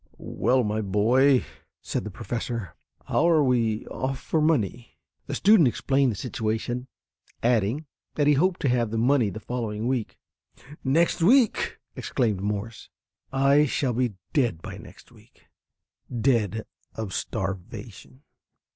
"Well, my boy," said the professor, "how are we off for money?" The student explained the situation, adding that he hoped to have the money the following week. "Next week!" exclaimed Morse. "I shall be dead by next week dead of starvation."